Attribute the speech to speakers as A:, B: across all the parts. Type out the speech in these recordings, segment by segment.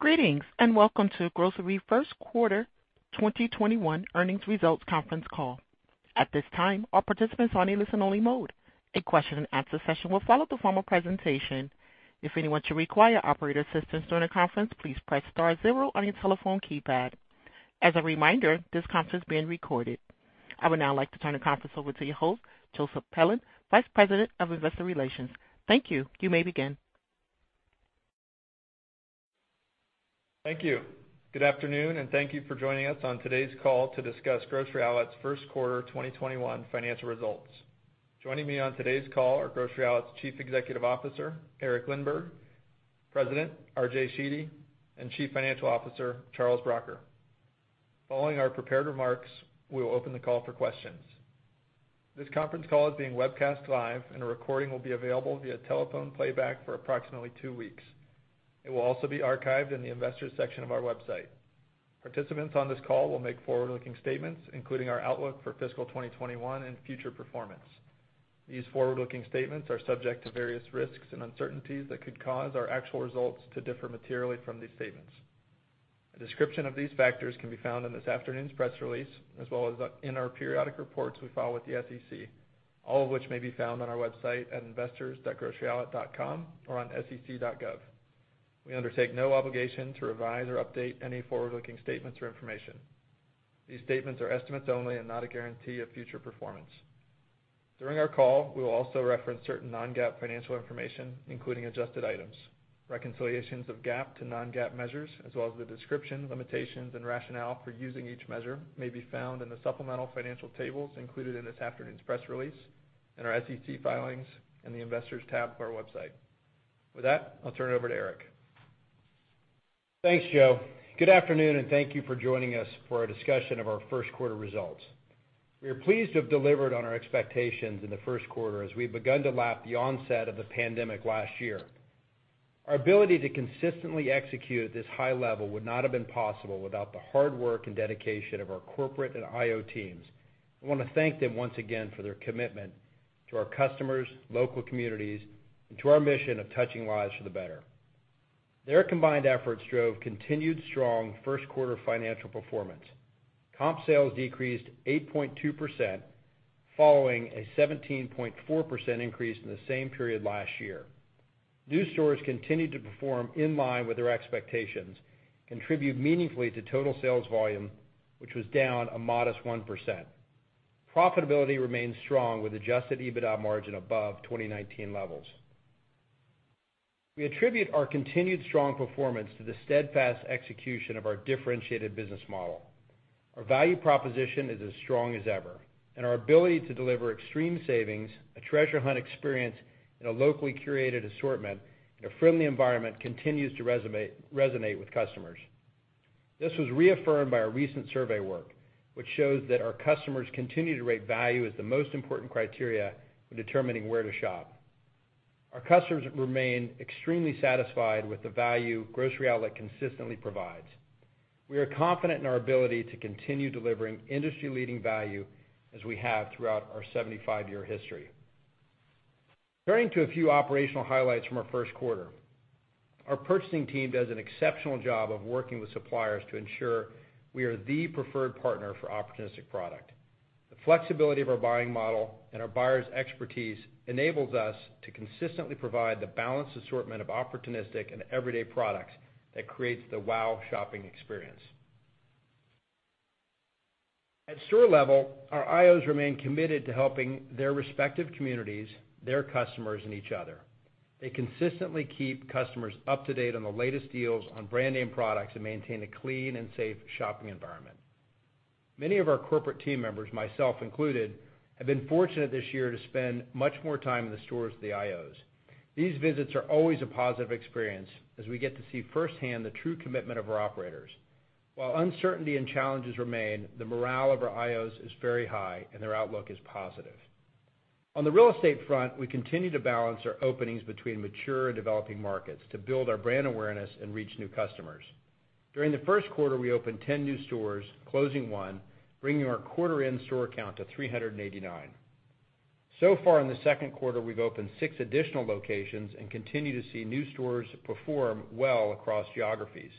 A: Greetings and welcome to Grocery first quarter 2021 earnings result conference call. At this time all participant are in listen only mode a question and answer followed by a formal presentation if anyone should require operator assistant during the conference please press star zero on your telephone key pad as a reminder this conference is recorded. I would now like to turn the conference over to your host, Joseph Pelland, Vice President of Investor Relations. Thank you. You may begin.
B: Thank you. Good afternoon, and thank you for joining us on today's call to discuss Grocery Outlet's first quarter 2021 financial results. Joining me on today's call are Grocery Outlet's Chief Executive Officer, Eric Lindberg, President, RJ Sheedy, and Chief Financial Officer, Charles Bracher. Following our prepared remarks, we will open the call for questions. This conference call is being webcast live, and a recording will be available via telephone playback for approximately two weeks. It will also be archived in the Investors section of our website. Participants on this call will make forward-looking statements, including our outlook for fiscal 2021 and future performance. These forward-looking statements are subject to various risks and uncertainties that could cause our actual results to differ materially from these statements. A description of these factors can be found in this afternoon's press release, as well as in our periodic reports we file with the SEC, all of which may be found on our website at investors.groceryoutlet.com or on sec.gov. We undertake no obligation to revise or update any forward-looking statements or information. These statements are estimates only and not a guarantee of future performance. During our call, we will also reference certain non-GAAP financial information, including adjusted items. Reconciliations of GAAP to non-GAAP measures, as well as the description, limitations, and rationale for using each measure may be found in the supplemental financial tables included in this afternoon's press release, in our SEC filings, and the Investors tab of our website. With that, I'll turn it over to Eric.
C: Thanks, Joe. Good afternoon, and thank you for joining us for a discussion of our first quarter results. We are pleased to have delivered on our expectations in the first quarter as we've begun to lap the onset of the pandemic last year. Our ability to consistently execute at this high level would not have been possible without the hard work and dedication of our corporate and IO teams. I want to thank them once again for their commitment to our customers, local communities, and to our mission of touching lives for the better. Their combined efforts drove continued strong first quarter financial performance. Comp sales decreased 8.2%, following a 17.4% increase in the same period last year. New stores continued to perform in line with their expectations, contribute meaningfully to total sales volume, which was down a modest 1%. Profitability remains strong with adjusted EBITDA margin above 2019 levels. We attribute our continued strong performance to the steadfast execution of our differentiated business model. Our value proposition is as strong as ever, and our ability to deliver extreme savings, a treasure hunt experience, and a locally curated assortment in a friendly environment continues to resonate with customers. This was reaffirmed by our recent survey work, which shows that our customers continue to rate value as the most important criteria when determining where to shop. Our customers remain extremely satisfied with the value Grocery Outlet consistently provides. We are confident in our ability to continue delivering industry-leading value as we have throughout our 75-year history. Turning to a few operational highlights from our first quarter. Our purchasing team does an exceptional job of working with suppliers to ensure we are the preferred partner for opportunistic product. The flexibility of our buying model and our buyers' expertise enables us to consistently provide the balanced assortment of opportunistic and everyday products that creates the wow shopping experience. At store level, our IOs remain committed to helping their respective communities, their customers, and each other. They consistently keep customers up to date on the latest deals on brand name products and maintain a clean and safe shopping environment. Many of our corporate team members, myself included, have been fortunate this year to spend much more time in the stores with the IOs. These visits are always a positive experience as we get to see firsthand the true commitment of our operators. While uncertainty and challenges remain, the morale of our IOs is very high, and their outlook is positive. On the real estate front, we continue to balance our openings between mature and developing markets to build our brand awareness and reach new customers. During the first quarter, we opened 10 new stores, closing one, bringing our quarter end store count to 389. Far in the second quarter, we've opened six additional locations and continue to see new stores perform well across geographies.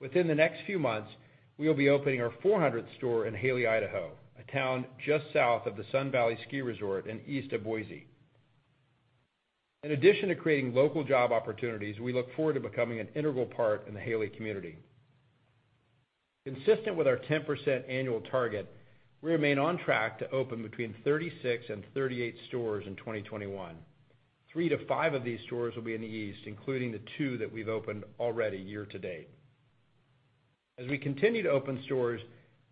C: Within the next few months, we will be opening our 400th store in Hailey, Idaho, a town just south of the Sun Valley Ski Resort and east of Boise. In addition to creating local job opportunities, we look forward to becoming an integral part in the Hailey community. Consistent with our 10% annual target, we remain on track to open between 36 and 38 stores in 2021. Three to five of these stores will be in the East, including the two that we've opened already year to date. As we continue to open stores,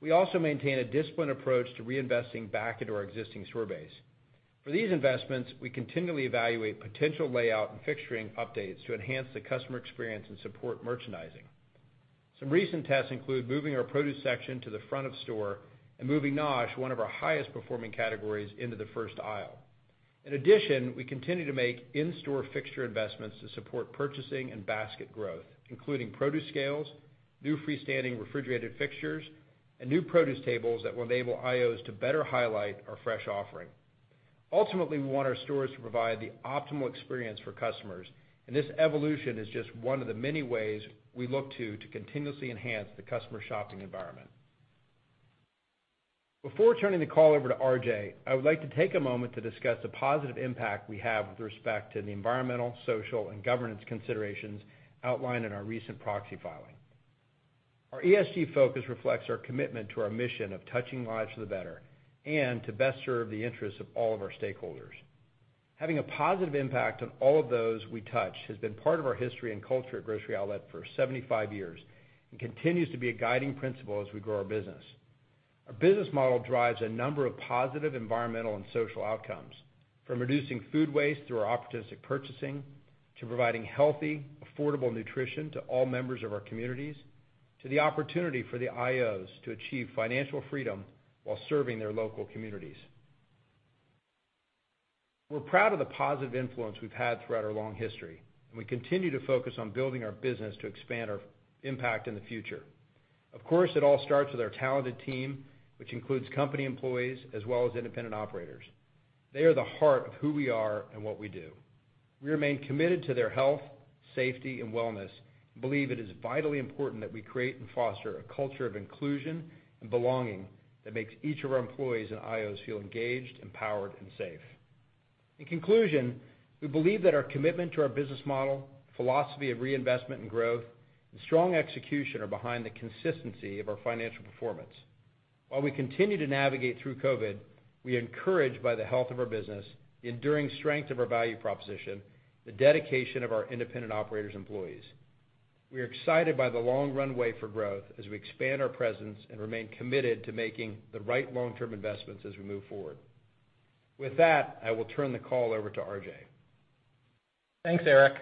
C: we also maintain a disciplined approach to reinvesting back into our existing store base. For these investments, we continually evaluate potential layout and fixturing updates to enhance the customer experience and support merchandising. Some recent tests include moving our produce section to the front of store and moving NOSH, one of our highest performing categories, into the first aisle. In addition, we continue to make in-store fixture investments to support purchasing and basket growth, including produce scales, new freestanding refrigerated fixtures, and new produce tables that will enable IOs to better highlight our fresh offering. Ultimately, we want our stores to provide the optimal experience for customers, and this evolution is just one of the many ways we look to continuously enhance the customer shopping environment. Before turning the call over to RJ, I would like to take a moment to discuss the positive impact we have with respect to the environmental, social, and governance considerations outlined in our recent proxy filing. Our ESG focus reflects our commitment to our mission of touching lives for the better and to best serve the interests of all of our stakeholders. Having a positive impact on all of those we touch has been part of our history and culture at Grocery Outlet for 75 years and continues to be a guiding principle as we grow our business. Our business model drives a number of positive environmental and social outcomes, from reducing food waste through our opportunistic purchasing, to providing healthy, affordable nutrition to all members of our communities, to the opportunity for the IOs to achieve financial freedom while serving their local communities. We're proud of the positive influence we've had throughout our long history, and we continue to focus on building our business to expand our impact in the future. Of course, it all starts with our talented team, which includes company employees as well as independent operators. They are the heart of who we are and what we do. We remain committed to their health, safety, and wellness and believe it is vitally important that we create and foster a culture of inclusion and belonging that makes each of our employees and IOs feel engaged, empowered, and safe. In conclusion, we believe that our commitment to our business model, philosophy of reinvestment and growth, and strong execution are behind the consistency of our financial performance. While we continue to navigate through COVID, we are encouraged by the health of our business, the enduring strength of our value proposition, the dedication of our independent operators' employees. We are excited by the long runway for growth as we expand our presence and remain committed to making the right long-term investments as we move forward. With that, I will turn the call over to RJ.
D: Thanks, Eric.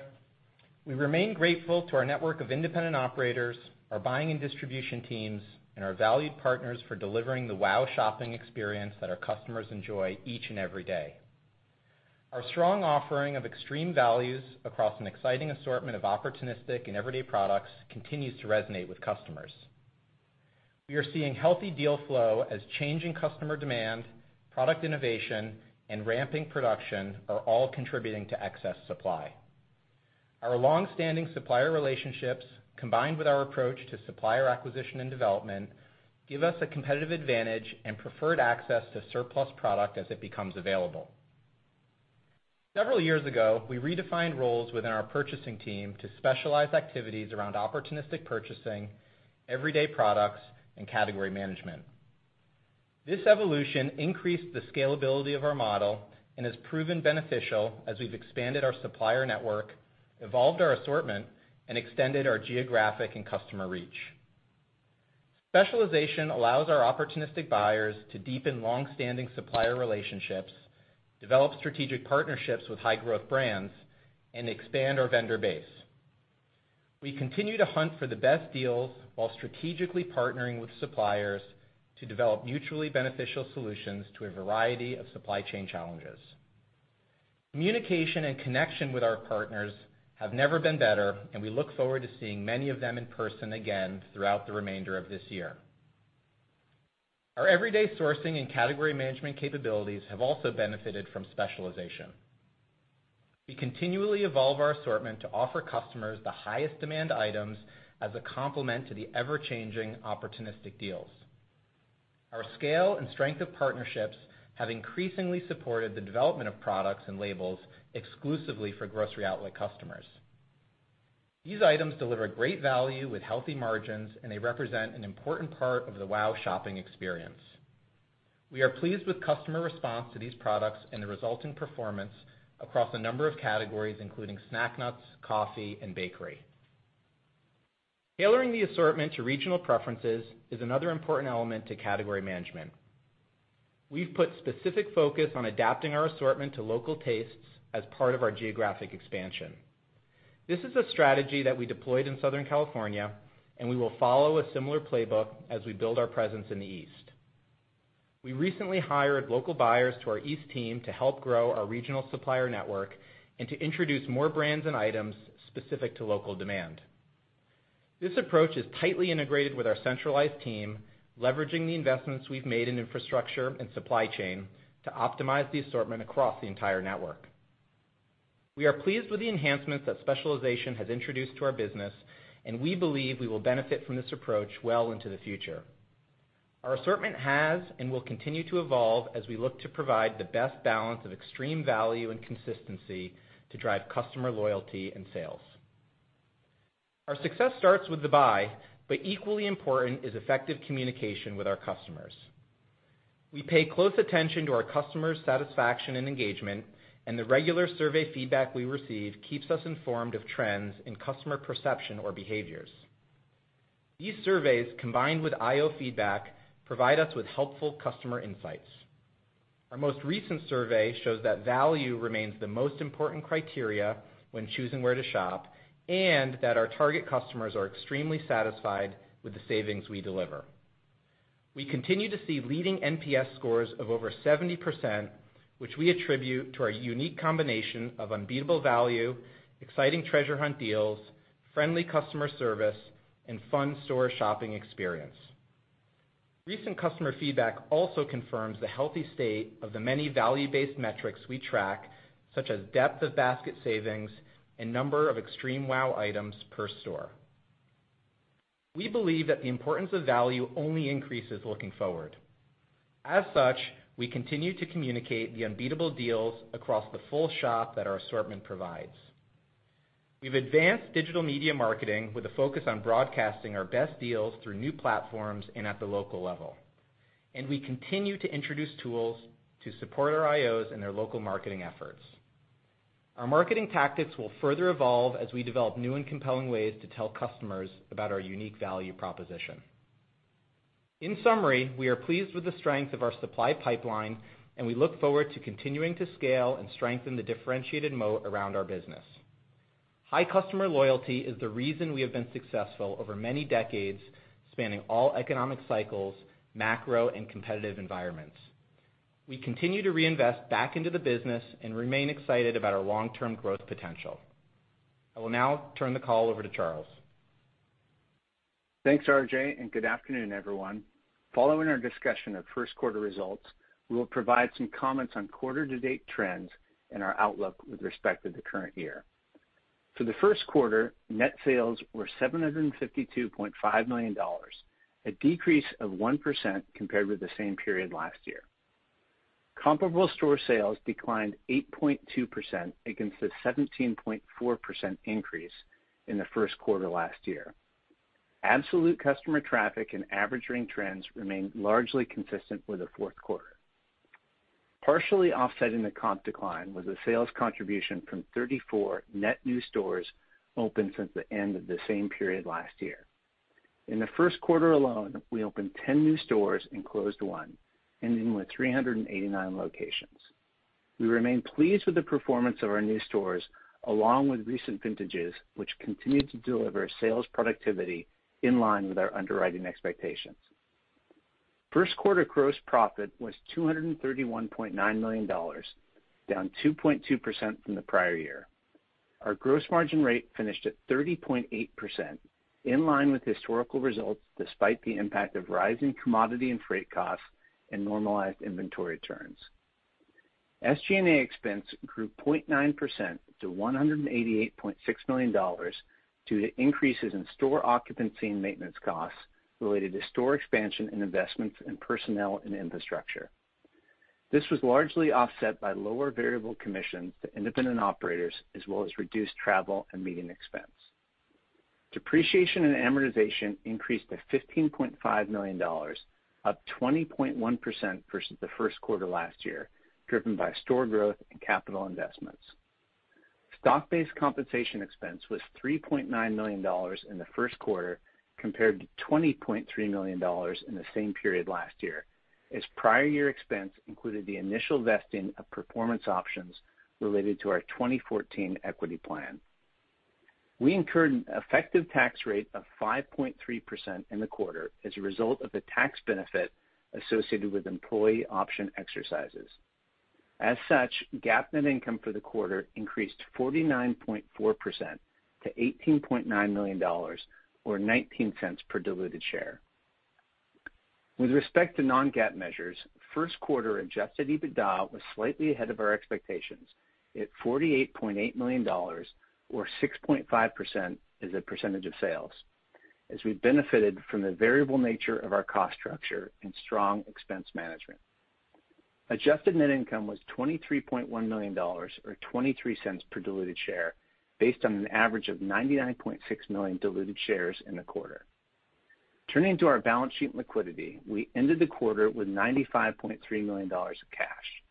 D: We remain grateful to our network of independent operators, our buying and distribution teams, and our valued partners for delivering the wow shopping experience that our customers enjoy each and every day. Our strong offering of extreme values across an exciting assortment of opportunistic and everyday products continues to resonate with customers. We are seeing healthy deal flow as changing customer demand, product innovation, and ramping production are all contributing to excess supply. Our long-standing supplier relationships, combined with our approach to supplier acquisition and development, give us a competitive advantage and preferred access to surplus product as it becomes available. Several years ago, we redefined roles within our purchasing team to specialize activities around opportunistic purchasing, everyday products, and category management. This evolution increased the scalability of our model and has proven beneficial as we've expanded our supplier network, evolved our assortment, and extended our geographic and customer reach. Specialization allows our opportunistic buyers to deepen long-standing supplier relationships, develop strategic partnerships with high-growth brands, and expand our vendor base. We continue to hunt for the best deals while strategically partnering with suppliers to develop mutually beneficial solutions to a variety of supply chain challenges. Communication and connection with our partners have never been better, and we look forward to seeing many of them in person again throughout the remainder of this year. Our everyday sourcing and category management capabilities have also benefited from specialization. We continually evolve our assortment to offer customers the highest demand items as a complement to the ever-changing opportunistic deals. Our scale and strength of partnerships have increasingly supported the development of products and labels exclusively for Grocery Outlet customers. These items deliver great value with healthy margins, and they represent an important part of the wow shopping experience. We are pleased with customer response to these products and the resulting performance across a number of categories, including snack nuts, coffee, and bakery. Tailoring the assortment to regional preferences is another important element to category management. We've put specific focus on adapting our assortment to local tastes as part of our geographic expansion. This is a strategy that we deployed in Southern California, and we will follow a similar playbook as we build our presence in the East. We recently hired local buyers to our East team to help grow our regional supplier network and to introduce more brands and items specific to local demand. This approach is tightly integrated with our centralized team, leveraging the investments we've made in infrastructure and supply chain to optimize the assortment across the entire network. We are pleased with the enhancements that specialization has introduced to our business, and we believe we will benefit from this approach well into the future. Our assortment has and will continue to evolve as we look to provide the best balance of extreme value and consistency to drive customer loyalty and sales. Our success starts with the buy, but equally important is effective communication with our customers. We pay close attention to our customers' satisfaction and engagement, and the regular survey feedback we receive keeps us informed of trends in customer perception or behaviors. These surveys, combined with IO feedback, provide us with helpful customer insights. Our most recent survey shows that value remains the most important criteria when choosing where to shop, and that our target customers are extremely satisfied with the savings we deliver. We continue to see leading NPS scores of over 70%, which we attribute to our unique combination of unbeatable value, exciting treasure hunt deals, friendly customer service, and fun store shopping experience. Recent customer feedback also confirms the healthy state of the many value-based metrics we track, such as depth of basket savings and number of extreme wow items per store. We believe that the importance of value only increases looking forward. As such, we continue to communicate the unbeatable deals across the full shop that our assortment provides. We've advanced digital media marketing with a focus on broadcasting our best deals through new platforms and at the local level, and we continue to introduce tools to support our IOs in their local marketing efforts. Our marketing tactics will further evolve as we develop new and compelling ways to tell customers about our unique value proposition. In summary, we are pleased with the strength of our supply pipeline, and we look forward to continuing to scale and strengthen the differentiated moat around our business. High customer loyalty is the reason we have been successful over many decades, spanning all economic cycles, macro, and competitive environments. We continue to reinvest back into the business and remain excited about our long-term growth potential. I will now turn the call over to Charles.
E: Thanks, RJ. Good afternoon, everyone. Following our discussion of first quarter results, we will provide some comments on quarter to date trends and our outlook with respect to the current year. For the first quarter, net sales were $752.5 million, a decrease of 1% compared with the same period last year. Comparable store sales declined 8.2% against a 17.4% increase in the first quarter last year. Absolute customer traffic and average ring trends remained largely consistent with the fourth quarter. Partially offsetting the comp decline was a sales contribution from 34 net new stores opened since the end of the same period last year. In the first quarter alone, we opened 10 new stores and closed one, ending with 389 locations. We remain pleased with the performance of our new stores, along with recent vintages, which continue to deliver sales productivity in line with our underwriting expectations. First quarter gross profit was $231.9 million, down 2.2% from the prior year. Our gross margin rate finished at 30.8%, in line with historical results, despite the impact of rising commodity and freight costs and normalized inventory turns. SG&A expense grew 0.9% to $188.6 million due to increases in store occupancy and maintenance costs related to store expansion and investments in personnel and infrastructure. This was largely offset by lower variable commissions to independent operators, as well as reduced travel and meeting expense. Depreciation and amortization increased to $15.5 million, up 20.1% versus the first quarter last year, driven by store growth and capital investments. Stock-based compensation expense was $3.9 million in the first quarter, compared to $20.3 million in the same period last year, as prior year expense included the initial vesting of performance options related to our 2014 equity plan. We incurred an effective tax rate of 5.3% in the quarter as a result of the tax benefit associated with employee option exercises. Such, GAAP net income for the quarter increased 49.4% to $18.9 million, or $0.19 per diluted share. With respect to non-GAAP measures, first quarter adjusted EBITDA was slightly ahead of our expectations at $48.8 million or 6.5% as a percentage of sales, as we benefited from the variable nature of our cost structure and strong expense management. Adjusted net income was $23.1 million, or $0.23 per diluted share, based on an average of $99.6 million diluted shares in the quarter. Turning to our balance sheet liquidity, we ended the quarter with $95.3 million of cash.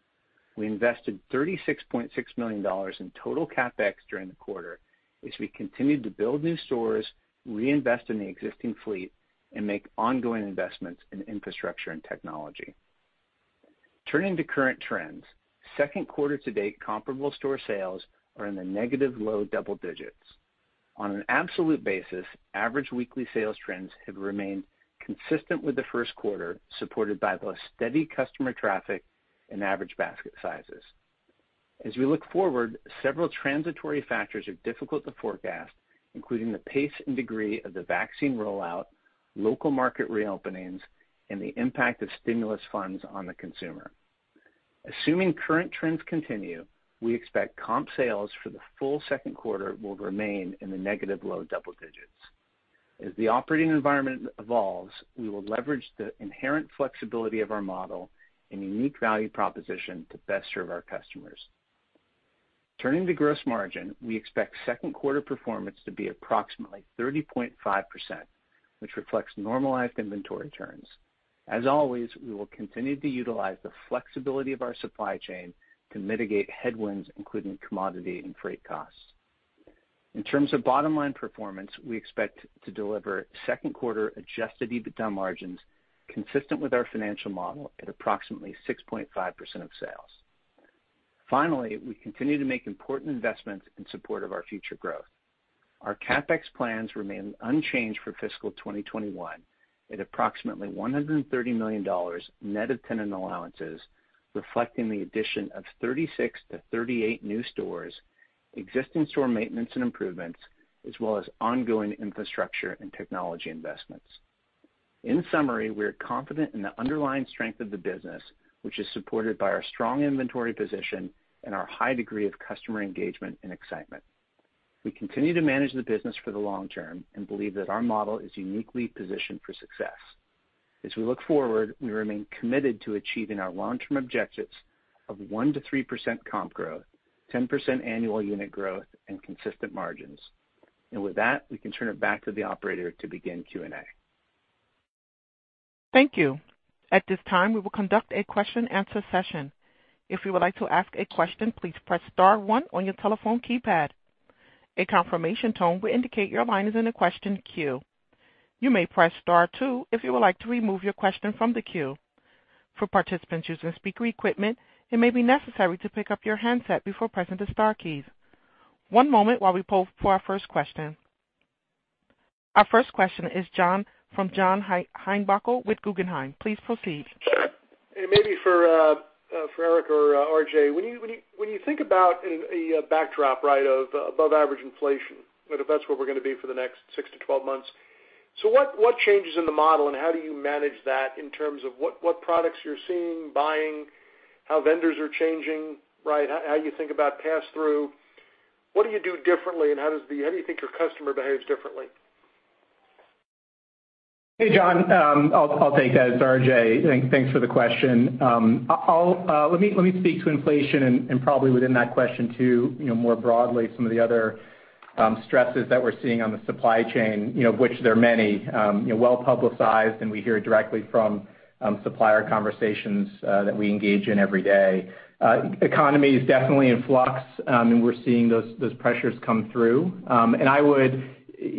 E: We invested $36.6 million in total CapEx during the quarter as we continued to build new stores, reinvest in the existing fleet, and make ongoing investments in infrastructure and technology. Turning to current trends, second quarter to date comparable store sales are in the negative low double digits. On an absolute basis, average weekly sales trends have remained consistent with the first quarter, supported by both steady customer traffic and average basket sizes. As we look forward, several transitory factors are difficult to forecast, including the pace and degree of the vaccine rollout, local market reopening's, and the impact of stimulus funds on the consumer. Assuming current trends continue, we expect comp sales for the full second quarter will remain in the negative low double digits. As the operating environment evolves, we will leverage the inherent flexibility of our model and unique value proposition to best serve our customers. Turning to gross margin, we expect second quarter performance to be approximately 30.5%, which reflects normalized inventory turns. As always, we will continue to utilize the flexibility of our supply chain to mitigate headwinds, including commodity and freight costs. In terms of bottom-line performance, we expect to deliver second quarter adjusted EBITDA margins consistent with our financial model at approximately 6.5% of sales. Finally, we continue to make important investments in support of our future growth. Our CapEx plans remain unchanged for fiscal 2021 at approximately $130 million net of tenant allowances, reflecting the addition of 36 to 38 new stores, existing store maintenance and improvements, as well as ongoing infrastructure and technology investments. In summary, we are confident in the underlying strength of the business, which is supported by our strong inventory position and our high degree of customer engagement and excitement. We continue to manage the business for the long term and believe that our model is uniquely positioned for success. As we look forward, we remain committed to achieving our long-term objectives of 1%-3% comp growth, 10% annual unit growth, and consistent margins. With that, we can turn it back to the operator to begin Q&A.
A: Thank you. At this time, we will conduct a question and answer session. If you would like to ask a question, please press star one on your telephone keypad. A confirmation tone will indicate your line is in the question queue. You may press star two if you would like to remove your question from the queue. For participants using speaker equipment, it may be necessary to pick up your handset before pressing the star keys. One moment while we poll for our first question. Our first question is John from John Heinbockel with Guggenheim. Please proceed.
F: It may be for Eric or RJ. When you think about a backdrop of above-average inflation, if that's what we're going to be for the next 6-12 months, what changes in the model and how do you manage that in terms of what products you're seeing, buying, how vendors are changing, how you think about pass-through? What do you do differently, and how do you think your customer behaves differently?
D: Hey, John. I'll take that. It's RJ. Thanks for the question. Let me speak to inflation and probably within that question, too, more broadly, some of the other stresses that we're seeing on the supply chain, which there are many, well-publicized, and we hear directly from supplier conversations that we engage in every day. Economy is definitely in flux, and we're seeing those pressures come through.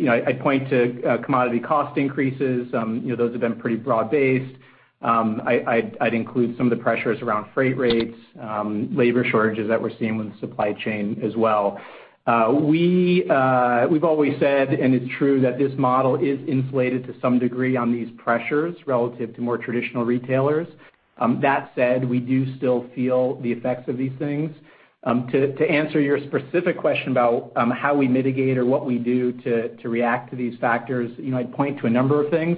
D: I'd point to commodity cost increases. Those have been pretty broad-based. I'd include some of the pressures around freight rates, labor shortages that we're seeing with the supply chain as well. We've always said, and it's true, that this model is insulated to some degree on these pressures relative to more traditional retailers. That said, we do still feel the effects of these things. To answer your specific question about how we mitigate or what we do to react to these factors, I'd point to a number of things.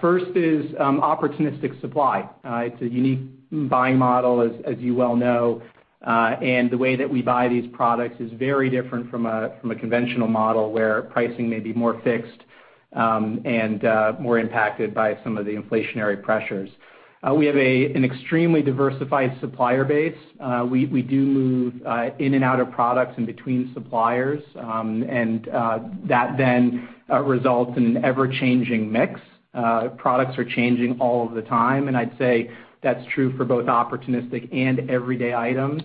D: First is opportunistic supply. It's a unique buying model, as you well know, and the way that we buy these products is very different from a conventional model where pricing may be more fixed and more impacted by some of the inflationary pressures. We have an extremely diversified supplier base. We do move in and out of products in between suppliers, and that then results in an ever-changing mix. Products are changing all of the time, and I'd say that's true for both opportunistic and everyday items.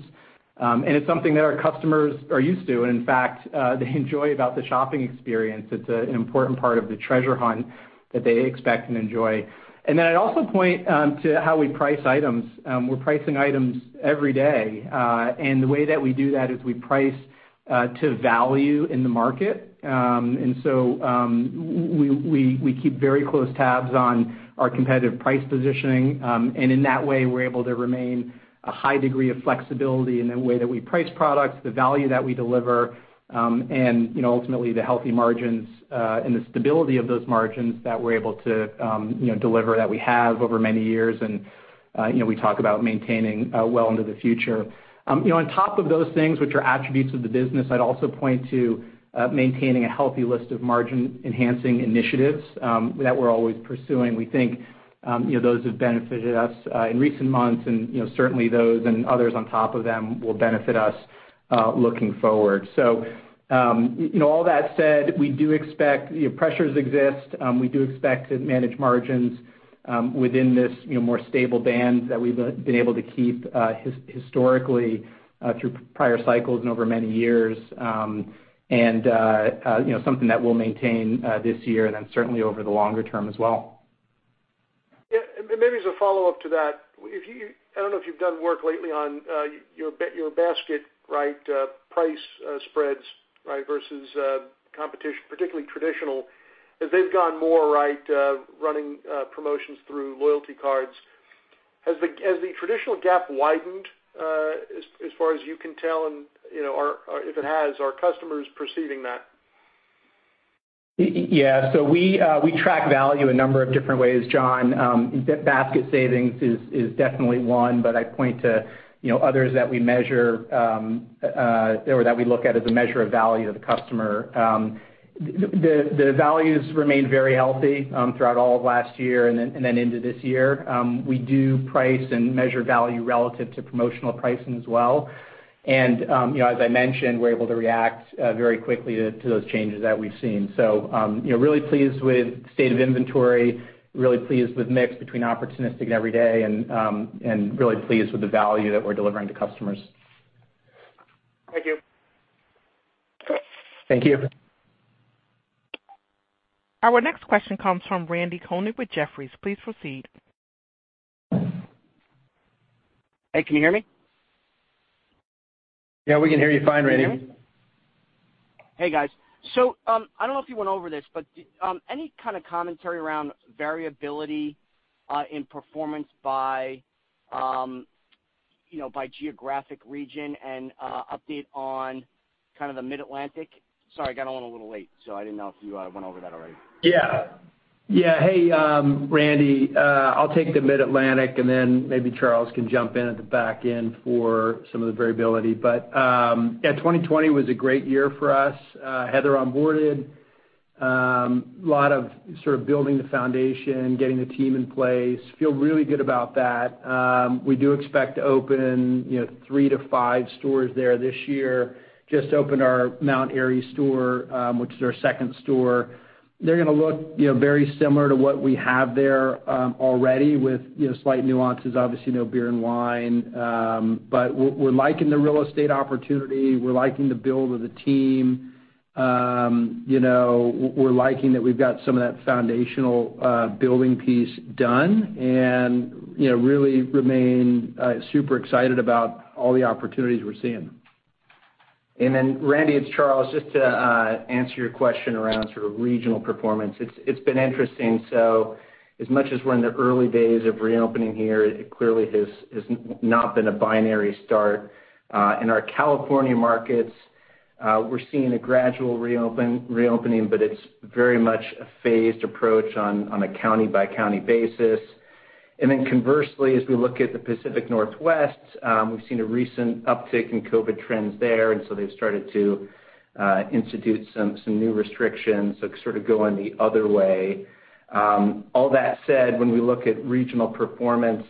D: It's something that our customers are used to, and in fact, they enjoy about the shopping experience. It's an important part of the treasure hunt that they expect and enjoy. I'd also point to how we price items. We're pricing items every day, and the way that we do that is we price to value in the market. We keep very close tabs on our competitive price positioning, and in that way, we're able to remain a high degree of flexibility in the way that we price products, the value that we deliver, and ultimately, the healthy margins and the stability of those margins that we're able to deliver that we have over many years and we talk about maintaining well into the future. On top of those things, which are attributes of the business, I'd also point to maintaining a healthy list of margin-enhancing initiatives that we're always pursuing. We think those have benefited us in recent months, and certainly those and others on top of them will benefit us looking forward. All that said, pressures exist. We do expect to manage margins within this more stable band that we've been able to keep historically through prior cycles and over many years and something that we'll maintain this year and then certainly over the longer term as well.
F: Yeah. Maybe as a follow-up to that. I don't know if you've done work lately on your basket price spreads versus competition, particularly traditional, as they've gone more running promotions through loyalty cards. Has the traditional gap widened as far as you can tell? If it has, are customers perceiving that?
D: Yeah. We track value a number of different ways, John. Basket savings is definitely one, but I point to others that we measure or that we look at as a measure of value to the customer. The values remain very healthy throughout all of last year and then into this year. We do price and measure value relative to promotional pricing as well. As I mentioned, we're able to react very quickly to those changes that we've seen. Really pleased with the state of inventory, really pleased with mix between opportunistic and everyday, and really pleased with the value that we're delivering to customers.
F: Thank you.
D: Thank you.
A: Our next question comes from Randy Konik with Jefferies. Please proceed.
G: Hey, can you hear me?
C: Yeah, we can hear you fine, Randy.
G: Hey, guys. I don't know if you went over this, but any kind of commentary around variability in performance by geographic region and update on kind of the Mid-Atlantic? Sorry, I got on a little late, so I didn't know if you went over that already.
C: Yeah. Hey, Randy. I'll take the Mid-Atlantic, and then maybe Charles can jump in at the back end for some of the variability. Yeah, 2020 was a great year for us. Heather onboarded, lot of sort of building the foundation, getting the team in place. Feel really good about that. We do expect to open three to five stores there this year. Just opened our Mount Airy store, which is our second store. They're going to look very similar to what we have there already with slight nuances, obviously, beer and wine. We're liking the real estate opportunity. We're liking the build of the team. We're liking that we've got some of that foundational building piece done and really remain super excited about all the opportunities we're seeing.
E: Randy, it's Charles. Just to answer your question around sort of regional performance. It's been interesting. As much as we're in the early days of reopening here, it clearly has not been a binary start. In our California markets, we're seeing a gradual reopening, but it's very much a phased approach on a county-by-county basis. Conversely, as we look at the Pacific Northwest, we've seen a recent uptick in COVID trends there, they've started to institute some new restrictions, sort of going the other way. All that said, when we look at regional performance,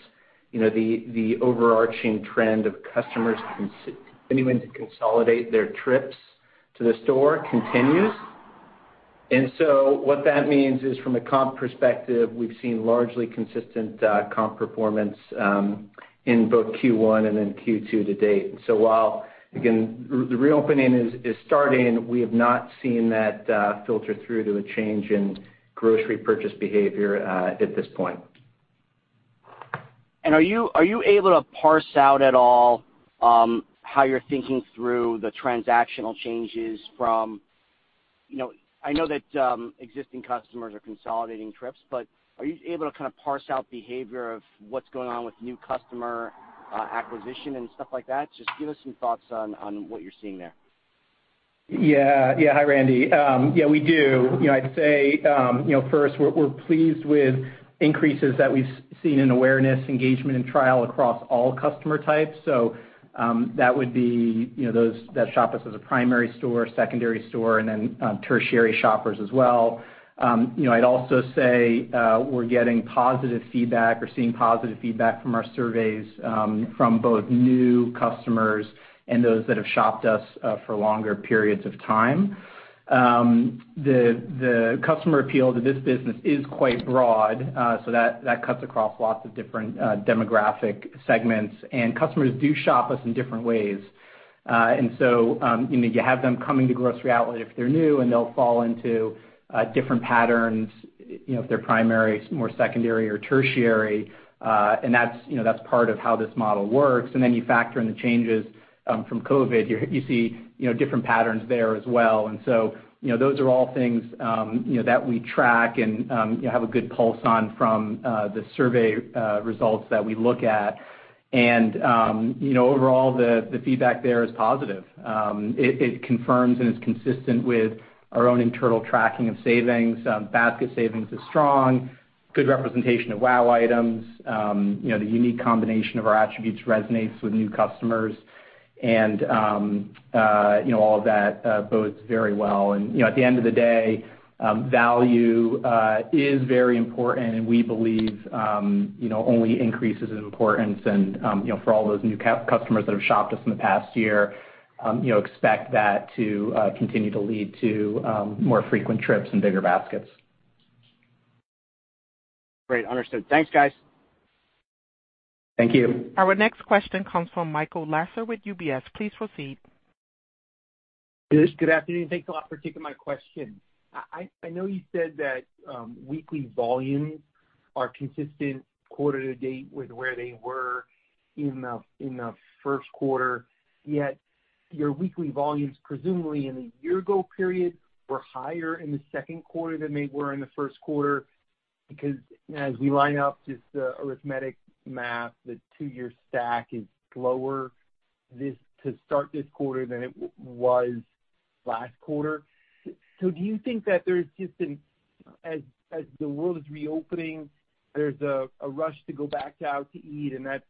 E: the overarching trend of customers continuing to consolidate their trips to the store continues. What that means is, from a comp perspective, we've seen largely consistent comp performance in both Q1 and in Q2 to date. While, again, the reopening is starting, we have not seen that filter through to a change in grocery purchase behavior at this point.
G: Are you able to parse out at all how you're thinking through the transactional changes from-- I know that existing customers are consolidating trips, but are you able to kind of parse out behavior of what's going on with new customer acquisition and stuff like that? Just give us some thoughts on what you're seeing there.
D: Hi, Randy. We do. I'd say, first we're pleased with increases that we've seen in awareness, engagement, and trial across all customer types. That would be those that shop us as a primary store, secondary store, and then tertiary shoppers as well. I'd also say we're getting positive feedback or seeing positive feedback from our surveys from both new customers and those that have shopped us for longer periods of time. The customer appeal to this business is quite broad, so that cuts across lots of different demographic segments, and customers do shop us in different ways. You have them coming to Grocery Outlet if they're new, and they'll fall into different patterns, if they're primary, more secondary or tertiary, and that's part of how this model works. You factor in the changes from COVID, you see different patterns there as well. Those are all things that we track and have a good pulse on from the survey results that we look at. Overall, the feedback there is positive. It confirms and is consistent with our own internal tracking of savings. Basket savings is strong. Good representation of wow items. The unique combination of our attributes resonates with new customers. All of that bodes very well. At the end of the day, value is very important and we believe only increases in importance and for all those new customers that have shopped us in the past year expect that to continue to lead to more frequent trips and bigger baskets.
G: Great. Understood. Thanks, guys.
D: Thank you.
A: Our next question comes from Michael Lasser with UBS. Please proceed.
H: Yes, good afternoon. Thanks a lot for taking my question. I know you said that weekly volumes are consistent quarter to date with where they were in the first quarter. Your weekly volumes, presumably in the year ago period, were higher in the second quarter than they were in the first quarter because as we line up just the arithmetic math, the two-year stack is lower to start this quarter than it was last quarter. Do you think that there's just, as the world is reopening, there's a rush to go back out to eat and that's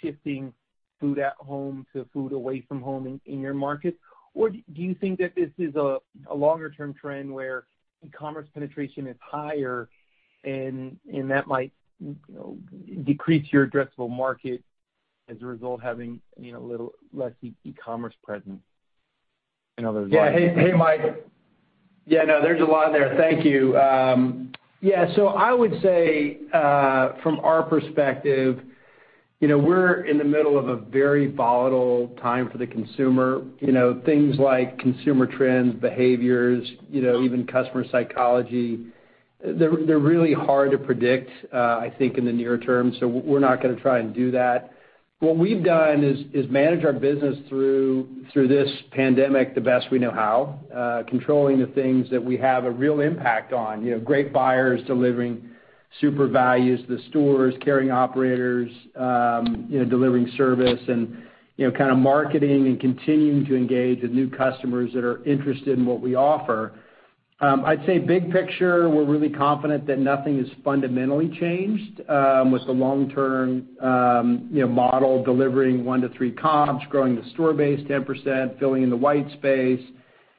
H: shifting food at home to food away from home in your market? Do you think that this is a longer-term trend where e-commerce penetration is higher and that might decrease your addressable market as a result having a little less e-commerce presence in other words?
C: Hey, Mike. There's a lot there. Thank you. From our perspective, we're in the middle of a very volatile time for the consumer. Things like consumer trends, behaviors, even customer psychology, they're really hard to predict, I think, in the near term. We're not going to try and do that. What we've done is manage our business through this pandemic the best we know how, controlling the things that we have a real impact on. Great buyers delivering super values, the stores, carrying operators, delivering service and kind of marketing and continuing to engage with new customers that are interested in what we offer. I'd say big picture, we're really confident that nothing has fundamentally changed with the long-term model delivering 1%-3% comps, growing the store base 10%, filling in the white space,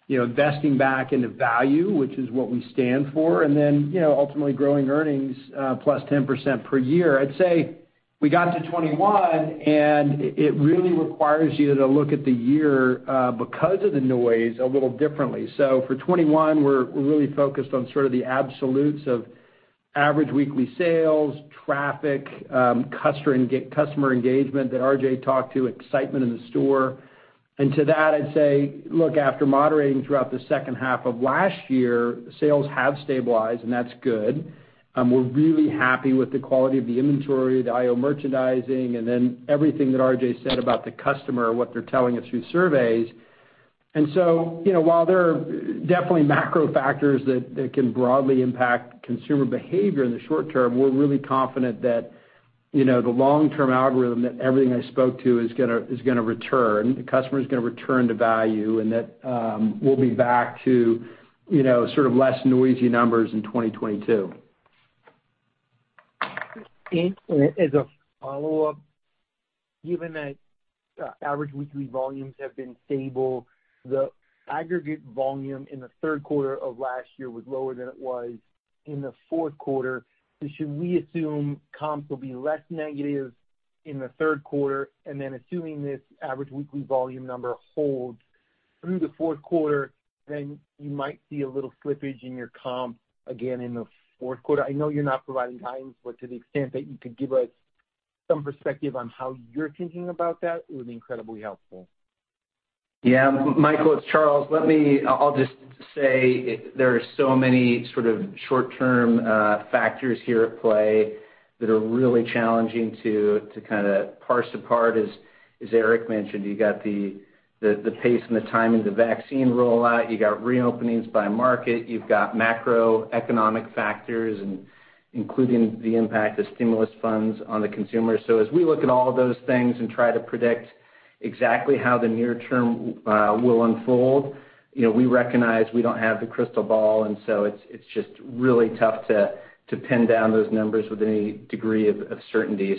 C: investing back into value, which is what we stand for. Ultimately growing earnings plus 10% per year. I'd say we got to 2021, it really requires you to look at the year, because of the noise, a little differently. For 2021, we're really focused on sort of the absolutes of average weekly sales, traffic, customer engagement that RJ talked to, excitement in the store. To that, I'd say, look, after moderating throughout the second half of last year, sales have stabilized, and that's good. We're really happy with the quality of the inventory, the IO merchandising, and then everything that RJ said about the customer, what they're telling us through surveys. While there are definitely macro factors that can broadly impact consumer behavior in the short term, we're really confident that the long-term algorithm, that everything I spoke to is going to return. The customer's going to return to value, and that we'll be back to sort of less noisy numbers in 2022.
H: As a follow-up, given that average weekly volumes have been stable, the aggregate volume in the third quarter of last year was lower than it was in the fourth quarter. Should we assume comps will be less negative in the third quarter? Assuming this average weekly volume number holds through the fourth quarter, then you might see a little slippage in your comp again in the fourth quarter. I know you're not providing guidance, but to the extent that you could give us some perspective on how you're thinking about that, it would be incredibly helpful.
E: Yeah, Michael Lasser, it's Charles Bracher. I'll just say there are so many sort of short-term factors here at play that are really challenging to kind of parse apart. As Eric Lindberg mentioned, you got the pace and the timing of the vaccine rollout. You got reopenings by market. You've got macroeconomic factors, including the impact of stimulus funds on the consumer. As we look at all of those things and try to predict exactly how the near term will unfold, we recognize we don't have the crystal ball, and it's just really tough to pin down those numbers with any degree of certainty.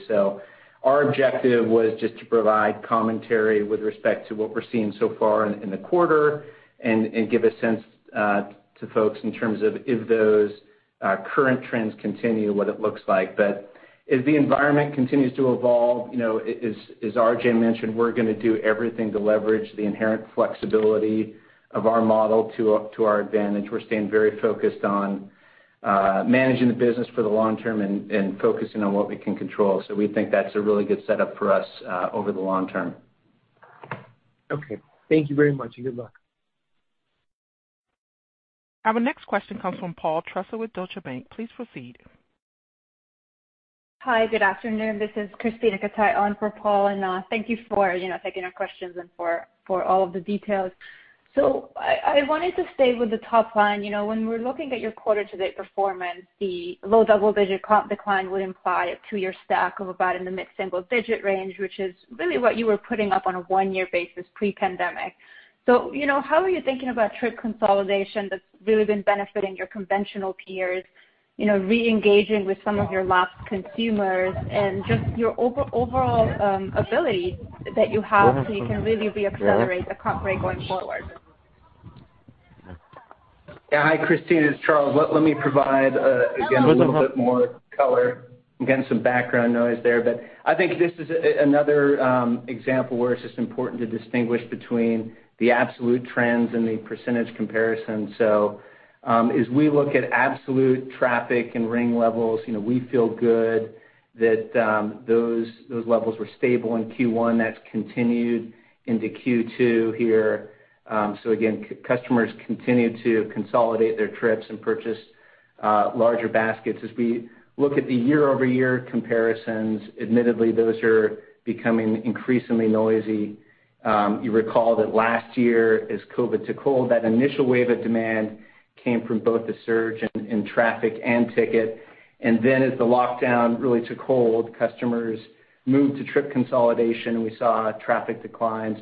E: Our objective was just to provide commentary with respect to what we're seeing so far in the quarter and give a sense to folks in terms of if those current trends continue, what it looks like. As the environment continues to evolve, as RJ mentioned, we're going to do everything to leverage the inherent flexibility of our model to our advantage. We're staying very focused on managing the business for the long term and focusing on what we can control. We think that's a really good setup for us over the long term.
H: Okay. Thank you very much, and good luck.
A: Our next question comes from Paul Trussell with Deutsche Bank. Please proceed.
I: Hi, good afternoon. This is Krisztina Katai on for Paul, and thank you for taking our questions and for all of the details. I wanted to stay with the top line. When we're looking at your quarter to date performance, the low double-digit comp decline would imply a two-year stack of about in the mid-single digit range, which is really what you were putting up on a one-year basis pre-pandemic. How are you thinking about trip consolidation that's really been benefiting your conventional peers, re-engaging with some of your lost consumers and just your overall ability that you have, so you can really re-accelerate a comp rate going forward?
E: Hi, Krisztina, it's Charles Bracher. Let me provide again a little bit more color. I'm getting some background noise there. I think this is another example where it's just important to distinguish between the absolute trends and the percentage comparison. As we look at absolute traffic and ring levels, we feel good that those levels were stable in Q1. That's continued into Q2 here. Again, customers continue to consolidate their trips and purchase larger baskets. As we look at the year-over-year comparisons, admittedly, those are becoming increasingly noisy. You recall that last year as COVID took hold, that initial wave of demand came from both the surge in traffic and ticket. As the lockdown really took hold, customers moved to trip consolidation and we saw traffic declines.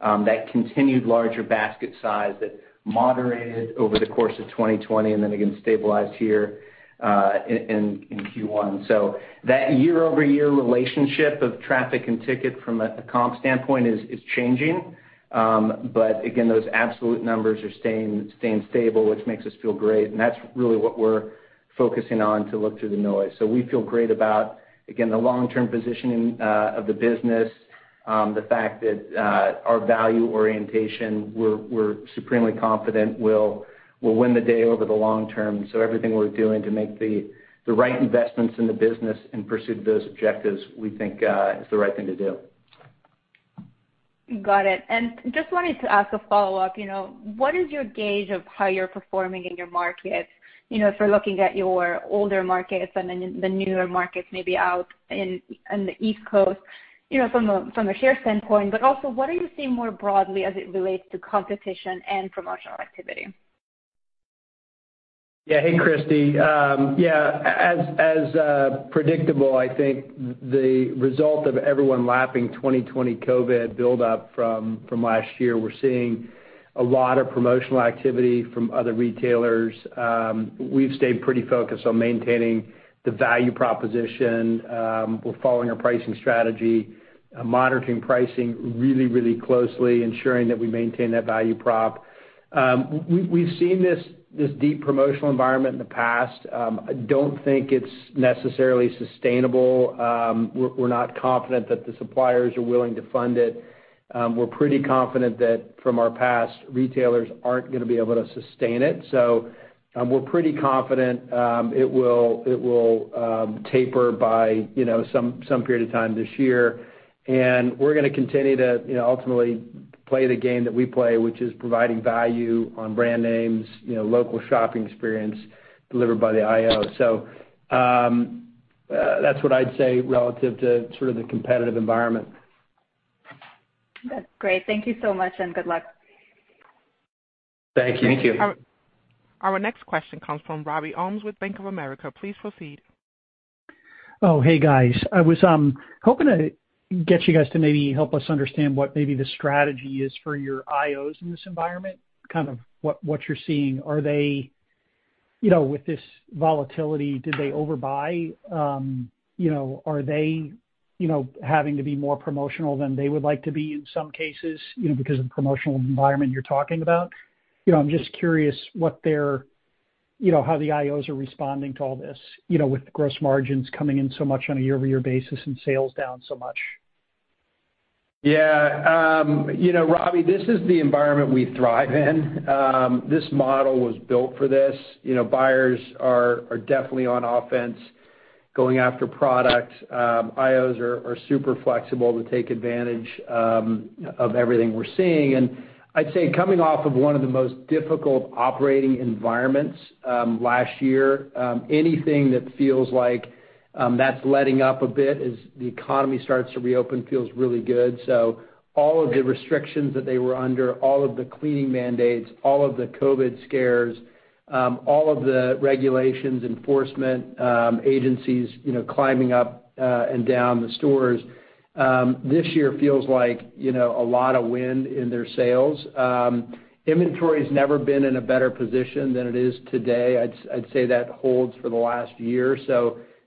E: That continued larger basket size that moderated over the course of 2020 and then again stabilized here in Q1. That year-over-year relationship of traffic and ticket from a comp standpoint is changing. Again, those absolute numbers are staying stable, which makes us feel great, and that's really what we're focusing on to look through the noise. We feel great about, again, the long-term positioning of the business. The fact that our value orientation, we're supremely confident will win the day over the long term. Everything we're doing to make the right investments in the business and pursue those objectives, we think is the right thing to do.
I: Got it. Just wanted to ask a follow-up. What is your gauge of how you're performing in your markets? If we're looking at your older markets and then the newer markets maybe out in the East Coast from a share standpoint, but also what are you seeing more broadly as it relates to competition and promotional activity?
C: Hey, Krisztina. As predictable, I think the result of everyone lapping 2020 COVID buildup from last year, we're seeing a lot of promotional activity from other retailers. We've stayed pretty focused on maintaining the value proposition. We're following our pricing strategy, monitoring pricing really closely, ensuring that we maintain that value prop. We've seen this deep promotional environment in the past. I don't think it's necessarily sustainable. We're not confident that the suppliers are willing to fund it. We're pretty confident that from our past, retailers aren't going to be able to sustain it. We're pretty confident it will taper by some period of time this year, we're going to continue to ultimately play the game that we play, which is providing value on brand names, local shopping experience delivered by the IO. That's what I'd say relative to sort of the competitive environment.
I: That's great. Thank you so much, and good luck.
E: Thank you.
C: Thank you.
A: Our next question comes from Robert Ohmes with Bank of America. Please proceed.
J: Hey, guys. I was hoping to get you guys to maybe help us understand what maybe the strategy is for your IOs in this environment, kind of what you're seeing. With this volatility, did they overbuy? Are they having to be more promotional than they would like to be in some cases because of the promotional environment you're talking about? I'm just curious how the IOs are responding to all this with the gross margins coming in so much on a year-over-year basis and sales down so much.
C: Yeah. Robert, this is the environment we thrive in. This model was built for this. Buyers are definitely on offense going after product. IOs are super flexible to take advantage of everything we're seeing. I'd say coming off of one of the most difficult operating environments last year, anything that feels like that's letting up a bit as the economy starts to reopen feels really good. All of the restrictions that they were under, all of the cleaning mandates, all of the COVID scares, all of the regulations, enforcement agencies climbing up and down the stores, this year feels like a lot of wind in their sails. Inventory's never been in a better position than it is today. I'd say that holds for the last year.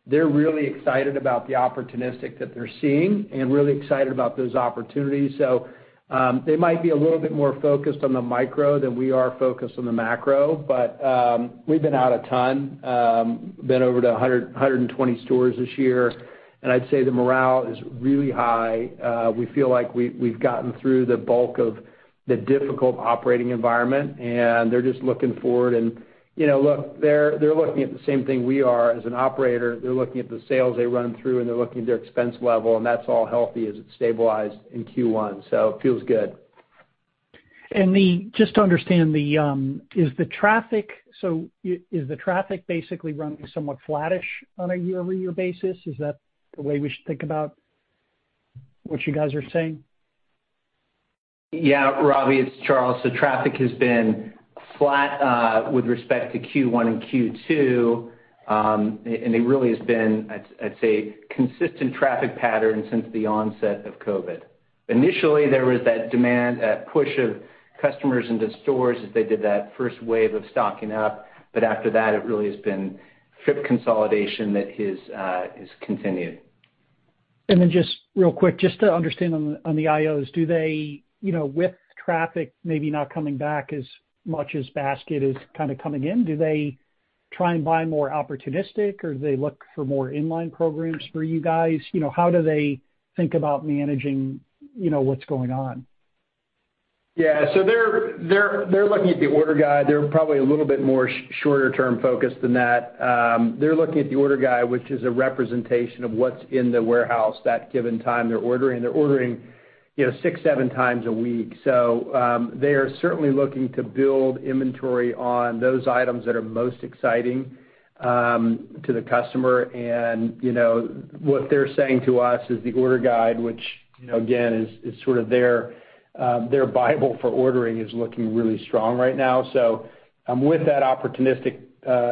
C: They're really excited about the opportunistic that they're seeing and really excited about those opportunities. They might be a little bit more focused on the micro than we are focused on the macro. We've been out a ton. Been over to 120 stores this year. I'd say the morale is really high. We feel like we've gotten through the bulk of the difficult operating environment. They're just looking forward. Look, they're looking at the same thing we are. As an operator, they're looking at the sales they run through. They're looking at their expense level. That's all healthy as it stabilized in Q1. It feels good.
J: Just to understand, is the traffic basically running somewhat flattish on a year-over-year basis? Is that the way we should think about what you guys are saying?
E: Yeah, Robbie, it's Charles. The traffic has been flat with respect to Q1 and Q2. It really has been, I'd say, a consistent traffic pattern since the onset of COVID. Initially, there was that demand, that push of customers into stores as they did that first wave of stocking up. After that, it really has been trip consolidation that has continued.
J: Just real quick, just to understand on the IO, with traffic maybe not coming back as much as basket is kind of coming in, do they try and buy more opportunistic, or do they look for more in-line programs for you guys? How do they think about managing what's going on?
C: Yeah. They're looking at the order guide. They're probably a little bit more shorter term focused than that. They're looking at the order guide, which is a representation of what's in the warehouse that given time they're ordering. They're ordering six, seven times a week. They are certainly looking to build inventory on those items that are most exciting to the customer. What they're saying to us is the order guide, which again, is sort of their bible for ordering, is looking really strong right now. With that opportunistic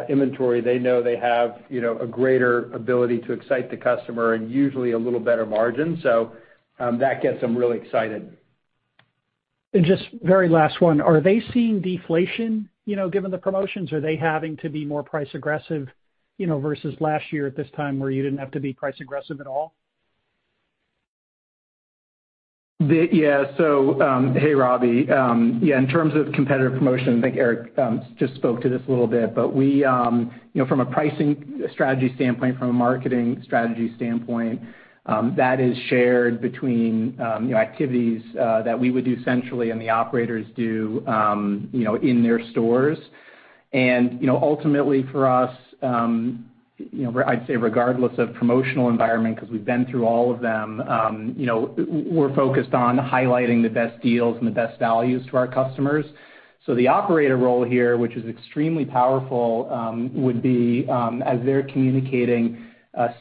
C: inventory, they know they have a greater ability to excite the customer and usually a little better margin. That gets them really excited.
J: Just very last one. Are they seeing deflation given the promotions? Are they having to be more price aggressive versus last year at this time where you didn't have to be price aggressive at all?
D: Yeah. Hey, Robert Ohmes. In terms of competitive promotion, I think Eric just spoke to this a little bit. From a pricing strategy standpoint, from a marketing strategy standpoint, that is shared between activities that we would do centrally and the operators do in their stores. Ultimately for us, I'd say regardless of promotional environment, because we've been through all of them, we're focused on highlighting the best deals and the best values to our customers The operator role here, which is extremely powerful, would be as they're communicating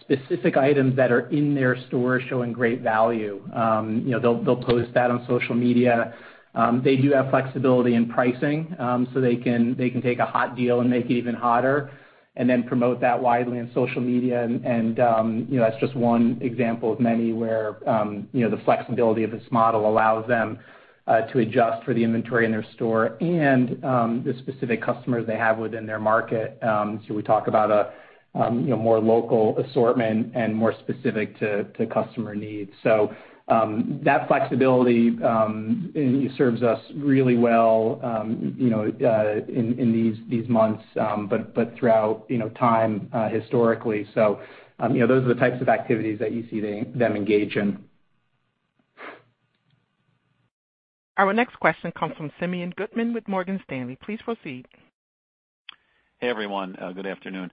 D: specific items that are in their store showing great value. They'll post that on social media. They do have flexibility in pricing, so they can take a hot deal and make it even hotter and then promote that widely on social media and that's just one example of many where the flexibility of this model allows them to adjust for the inventory in their store and the specific customers they have within their market. We talk about a more local assortment and more specific to customer needs. That flexibility serves us really well in these months, but throughout time, historically. Those are the types of activities that you see them engage in.
A: Our next question comes from Simeon Gutman with Morgan Stanley. Please proceed.
K: Hey, everyone. Good afternoon.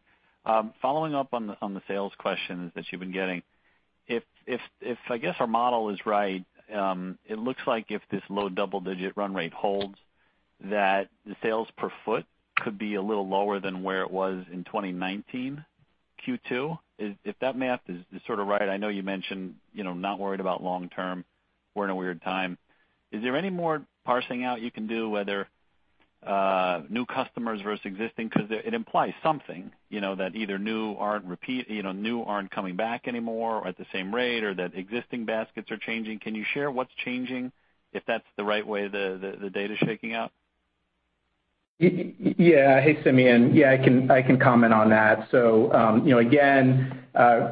K: Following up on the sales questions that you've been getting, if our model is right, it looks like if this low double-digit run rate holds, that the sales per foot could be a little lower than where it was in 2019 Q2. If that math is right, I know you mentioned not worried about long term, we're in a weird time. Is there any more parsing out you can do, whether new customers versus existing? It implies something, that either new aren't coming back anymore, or at the same rate, or that existing baskets are changing. Can you share what's changing, if that's the right way the data's shaking out?
D: Hey, Simeon. I can comment on that. Again,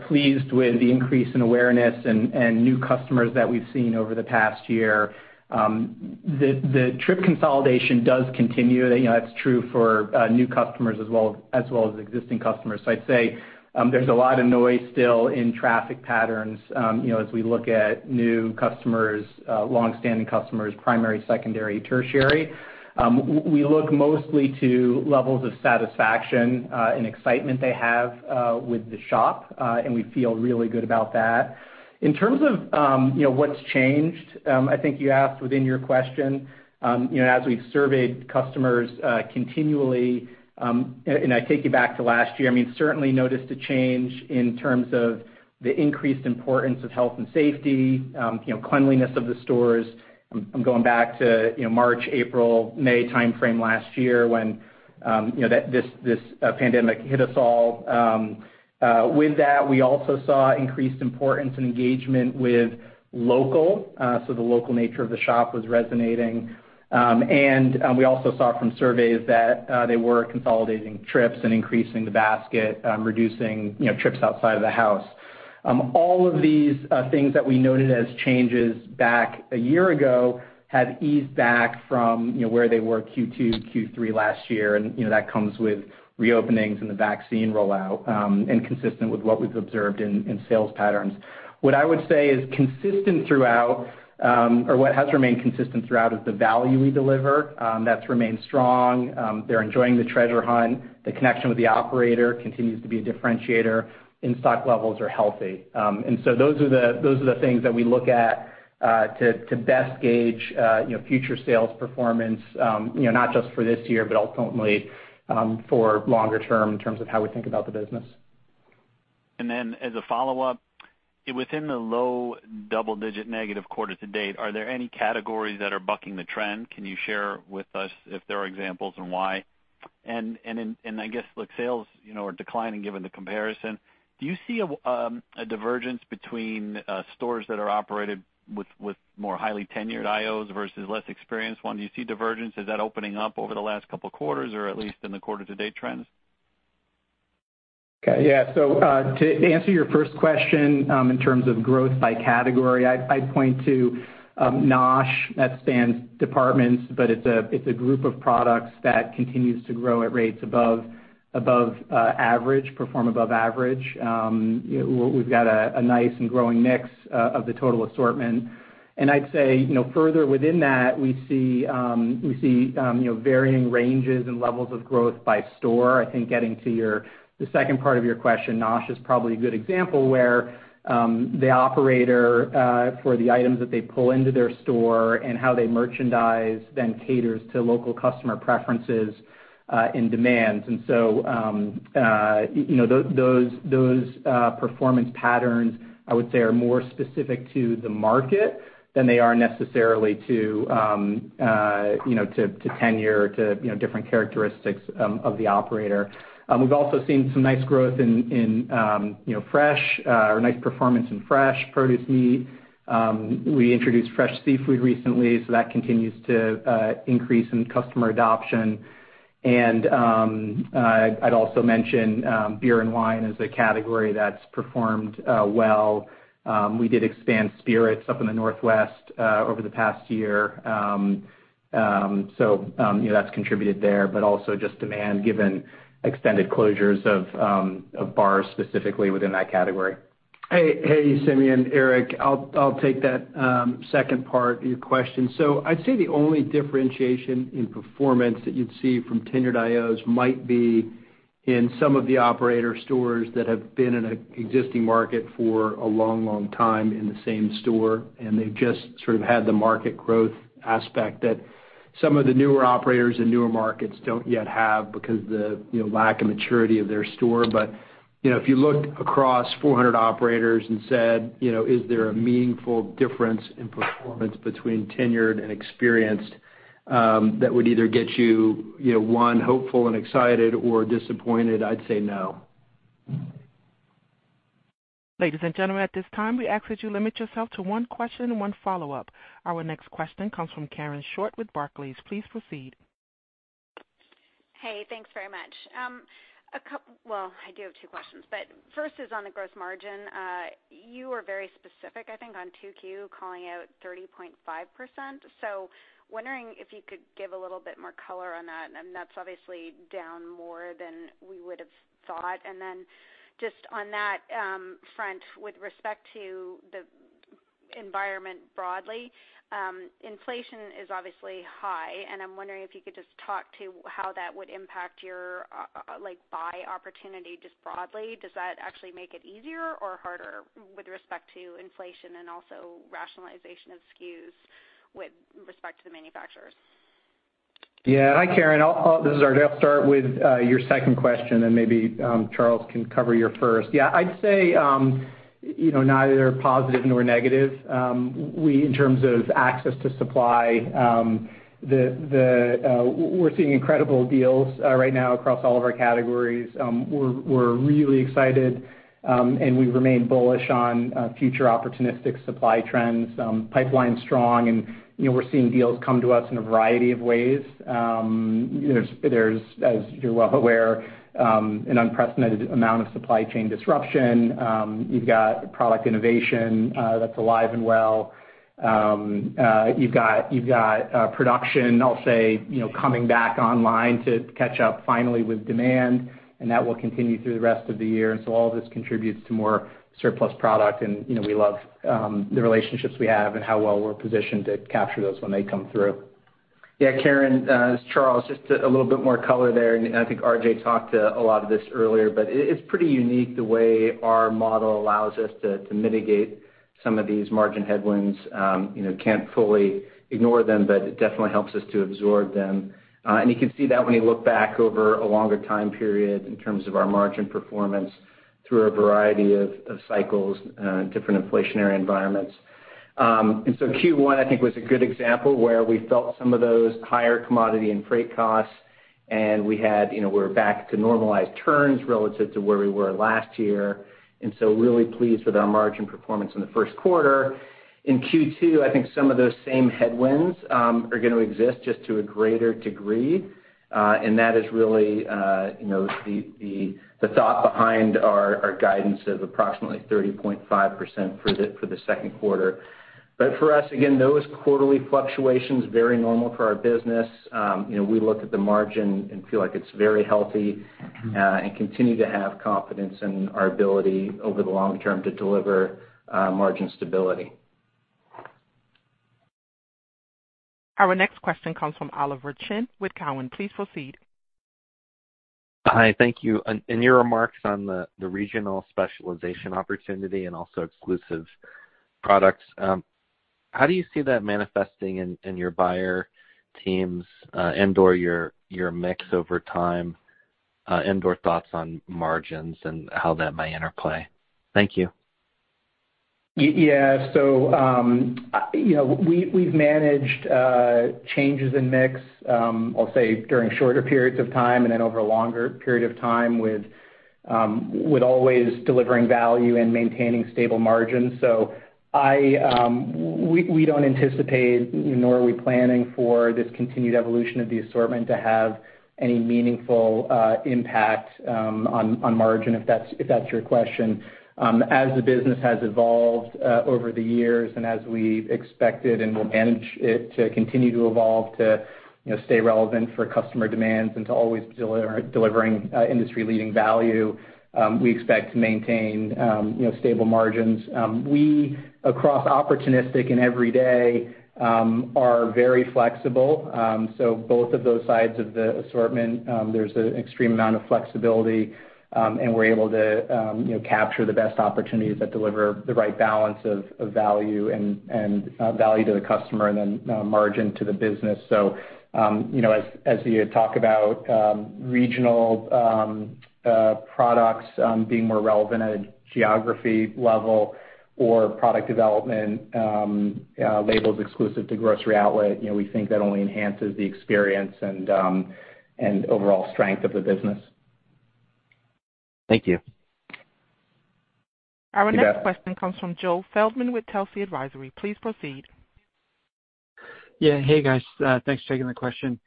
D: pleased with the increase in awareness and new customers that we've seen over the past year. The trip consolidation does continue. That's true for new customers as well as existing customers. I'd say there's a lot of noise still in traffic patterns as we look at new customers, longstanding customers, primary, secondary, tertiary. We look mostly to levels of satisfaction and excitement they have with the shop, and we feel really good about that. In terms of what's changed, I think you asked within your question, as we've surveyed customers continually, and I take you back to last year, certainly noticed a change in terms of the increased importance of health and safety, cleanliness of the stores. I'm going back to March, April, May timeframe last year when this pandemic hit us all. With that, we also saw increased importance and engagement with local. The local nature of the shop was resonating. We also saw from surveys that they were consolidating trips and increasing the basket, reducing trips outside of the house. All of these are things that we noted as changes back a year ago have eased back from where they were Q2, Q3 last year, and that comes with reopenings and the vaccine rollout, and consistent with what we've observed in sales patterns. What I would say is consistent throughout, or what has remained consistent throughout, is the value we deliver. That's remained strong. They're enjoying the treasure hunt. The connection with the operator continues to be a differentiator. In-stock levels are healthy. Those are the things that we look at to best gauge future sales performance, not just for this year, but ultimately, for longer term in terms of how we think about the business.
K: As a follow-up, within the low double-digit negative quarter to date, are there any categories that are bucking the trend? Can you share with us if there are examples and why? I guess, look, sales are declining given the comparison. Do you see a divergence between stores that are operated with more highly tenured IOs versus less experienced one? Do you see divergence? Is that opening up over the last couple quarters or at least in the quarter to date trends?
D: Okay. Yeah. To answer your first question, in terms of growth by category, I'd point to NOSH. That spans departments, but it's a group of products that continues to grow at rates above average, perform above average. We've got a nice and growing mix of the total assortment. I'd say further within that, we see varying ranges and levels of growth by store. I think getting to the second part of your question, NOSH is probably a good example where the operator for the items that they pull into their store and how they merchandise then caters to local customer preferences and demands. Those performance patterns, I would say, are more specific to the market than they are necessarily to tenure, to different characteristics of the operator. We've also seen some nice growth in fresh, or nice performance in fresh produce meat. We introduced fresh seafood recently. That continues to increase in customer adoption. I'd also mention beer and wine as a category that's performed well. We did expand spirits up in the Northwest over the past year. That's contributed there, but also just demand given extended closures of bars specifically within that category.
C: Hey, Simeon, Eric. I'll take that second part of your question. I'd say the only differentiation in performance that you'd see from tenured IOs might be in some of the operator stores that have been in an existing market for a long time in the same store, and they've just sort of had the market growth aspect that some of the newer operators in newer markets don't yet have because of the lack of maturity of their store. If you looked across 400 operators and said, "Is there a meaningful difference in performance between tenured and experienced that would either get you, one, hopeful and excited or disappointed?" I'd say no.
A: Ladies and gentlemen, at this time, we ask that you limit yourself to one question and one follow-up. Our next question comes from Karen Short with Barclays. Please proceed.
L: Thanks very much. I do have two questions, first is on the gross margin. You were very specific, I think, on 2Q, calling out 30.5%. Wondering if you could give a little bit more color on that. That's obviously down more than we would have thought. Just on that front, with respect to the environment broadly, inflation is obviously high, and I'm wondering if you could just talk to how that would impact your buy opportunity just broadly. Does that actually make it easier or harder with respect to inflation and also rationalization of SKUs with respect to the manufacturers?
D: Yeah. Hi, Karen. This is RJ. I'll start with your second question, and maybe Charles can cover your first. I'd say neither positive nor negative. In terms of access to supply, we're seeing incredible deals right now across all of our categories. We're really excited, and we remain bullish on future opportunistic supply trends, pipeline's strong, and we're seeing deals come to us in a variety of ways. There's, as you're well aware, an unprecedented amount of supply chain disruption. You've got product innovation that's alive and well. You've got production, I'll say, coming back online to catch up finally with demand, and that will continue through the rest of the year. All this contributes to more surplus product, and we love the relationships we have and how well we're positioned to capture those when they come through.
E: Karen, it's Charles. Just a little bit more color there, and I think RJ talked a lot of this earlier, but it's pretty unique the way our model allows us to mitigate some of these margin headwinds. Can't fully ignore them, but it definitely helps us to absorb them. You can see that when you look back over a longer time period in terms of our margin performance through a variety of cycles, different inflationary environments. Q1, I think, was a good example where we felt some of those higher commodity and freight costs, and we're back to normalized turns relative to where we were last year. Really pleased with our margin performance in the first quarter. In Q2, I think some of those same headwinds are going to exist, just to a greater degree. That is really the thought behind our guidance of approximately 30.5% for the second quarter. For us, again, those quarterly fluctuations, very normal for our business. We look at the margin and feel like it's very healthy and continue to have confidence in our ability over the long term to deliver margin stability.
A: Our next question comes from Oliver Chen with Cowen. Please proceed.
M: Hi, thank you. In your remarks on the regional specialization opportunity and also exclusive products, how do you see that manifesting in your buyer teams and/or your mix over time, and/or thoughts on margins and how that may interplay? Thank you.
C: Yeah. We've managed changes in mix, I'll say, during shorter periods of time and then over a longer period of time with always delivering value and maintaining stable margins. We don't anticipate, nor are we planning for this continued evolution of the assortment to have any meaningful impact on margin, if that's your question. As the business has evolved over the years and as we've expected and will manage it to continue to evolve to stay relevant for customer demands and to always delivering industry-leading value, we expect to maintain stable margins. We, across opportunistic and everyday, are very flexible. Both of those sides of the assortment, there's an extreme amount of flexibility, and we're able to capture the best opportunities that deliver the right balance of value to the customer and then margin to the business. As you talk about regional products being more relevant at a geography level or product development labels exclusive to Grocery Outlet, we think that only enhances the experience and overall strength of the business.
M: Thank you.
A: Our next question comes from Joe Feldman with Telsey Advisory. Please proceed.
N: Yeah. Hey, guys. Thanks for taking the question.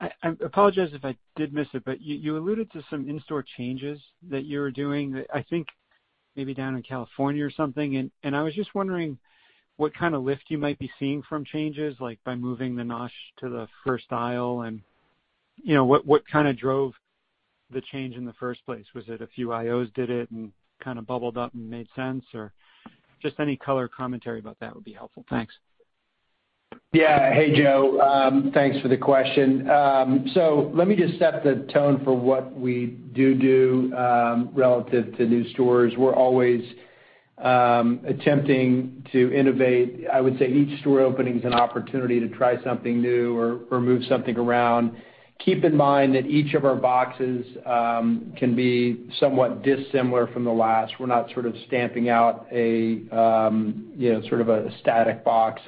N: I apologize if I did miss it, but you alluded to some in-store changes that you're doing, I think maybe down in California or something. I was just wondering what kind of lift you might be seeing from changes, like by moving the NOSH to the first aisle and what kind of drove the change in the first place? Was it a few IOs did it and kind of bubbled up and made sense or just any color commentary about that would be helpful. Thanks.
C: Yeah. Hey, Joe. Thanks for the question. Let me just set the tone for what we do relative to new stores. We're always Attempting to innovate, I would say each store opening is an opportunity to try something new or move something around. Keep in mind that each of our boxes can be somewhat dissimilar from the last. We're not sort of stamping out a static box.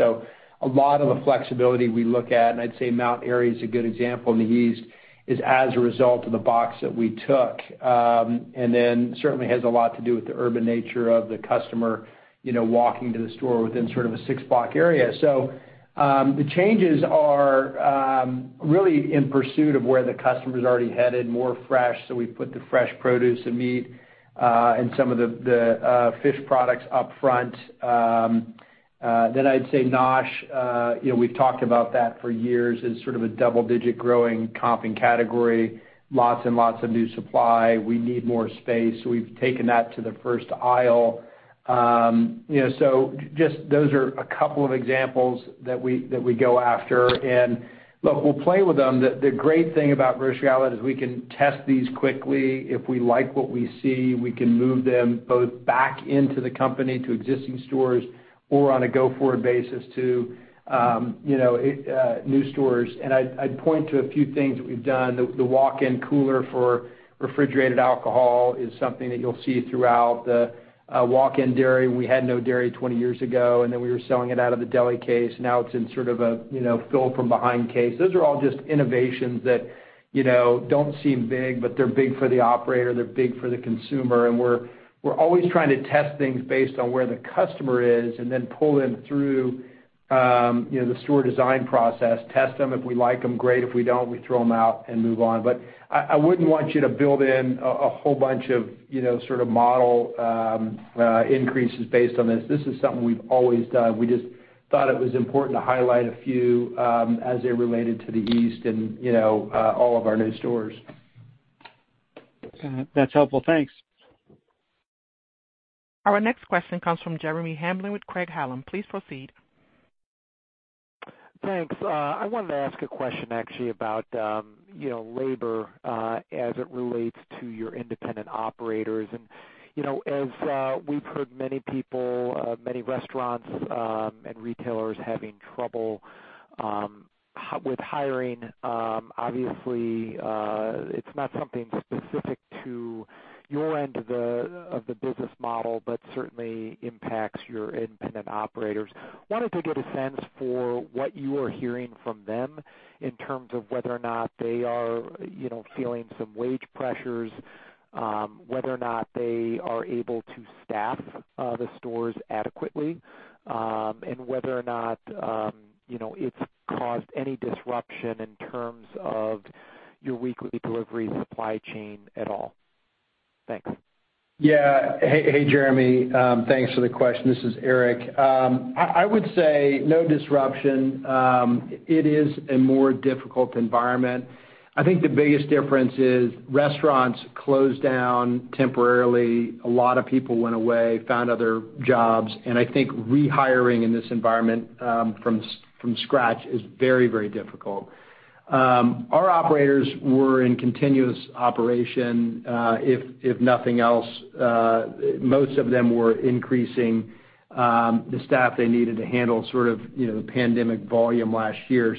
C: A lot of the flexibility we look at, and I'd say Mount Airy is a good example in the east, is as a result of the box that we took. Certainly has a lot to do with the urban nature of the customer walking to the store within sort of a six-block area. The changes are really in pursuit of where the customer's already headed, more fresh, so we put the fresh produce and meat, and some of the fish products up front. I'd say NOSH, we've talked about that for years as sort of a double-digit growing comping category, lots and lots of new supply. We need more space. We've taken that to the first aisle. Just those are a couple of examples that we go after. Look, we'll play with them. The great thing about Grocery Outlet is we can test these quickly. If we like what we see, we can move them both back into the company to existing stores or on a go-forward basis to new stores. I'd point to a few things that we've done. The walk-in cooler for refrigerated alcohol is something that you'll see throughout. The walk-in dairy, we had no dairy 20 years ago, and then we were selling it out of the deli case. Now it's in sort of a fill from behind case. Those are all just innovations that don't seem big, but they're big for the operator. They're big for the consumer, we're always trying to test things based on where the customer is and then pull them through the store design process, test them. If we like them, great. If we don't, we throw them out and move on. I wouldn't want you to build in a whole bunch of model increases based on this. This is something we've always done. We just thought it was important to highlight a few as they related to the East and all of our new stores.
N: That's helpful. Thanks.
A: Our next question comes from Jeremy Hamblin with Craig-Hallum. Please proceed.
O: Thanks. I wanted to ask a question actually about labor, as it relates to your independent operators. As we've heard many people, many restaurants, and retailers having trouble with hiring. Obviously, it's not something specific to your end of the business model, but certainly impacts your independent operators. Wanted to get a sense for what you are hearing from them in terms of whether or not they are feeling some wage pressures, whether or not they are able to staff the stores adequately, and whether or not it's caused any disruption in terms of your weekly delivery supply chain at all. Thanks.
C: Yeah. Hey, Jeremy. Thanks for the question. This is Eric. I would say no disruption. It is a more difficult environment. I think the biggest difference is restaurants closed down temporarily. A lot of people went away, found other jobs. I think rehiring in this environment, from scratch is very difficult. Our operators were in continuous operation. If nothing else, most of them were increasing, the staff they needed to handle sort of pandemic volume last year.